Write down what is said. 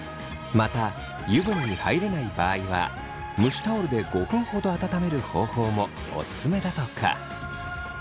また湯船に入れない場合は蒸しタオルで５分ほど温める方法もおすすめだとか。